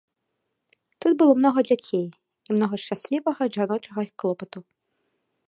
Тут было многа дзяцей і многа шчаслівага жаночага клопату.